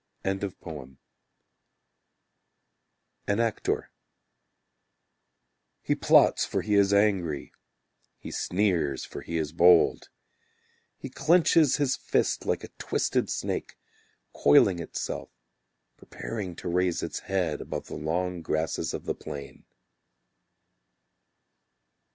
An Actor He plots for he is angry, He sneers for he is bold. He clinches his fist Like a twisted snake; Coiling itself, preparing to raise its head, Above the long grasses of the plain.